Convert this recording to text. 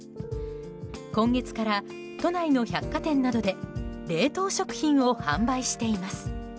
今月から、都内の百貨店などで冷凍食品を販売しています。